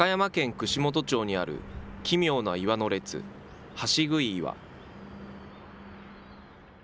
串本町にある奇妙な岩の列、橋杭岩。